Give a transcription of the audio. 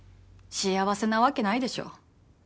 幸せなわけないでしょ。